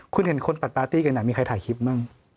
คุณเห็นคนปัดปาร์ตี้กันมีใครถ่ายคลิปบ้าง